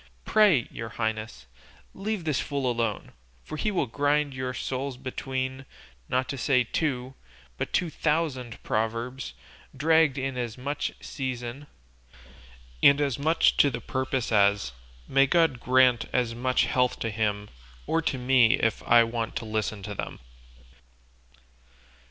Pray, your highnesses, leave this fool alone, for he will grind your souls between, not to say two, but two thousand proverbs, dragged in as much in season, and as much to the purpose as may God grant as much health to him, or to me if I want to listen to them!"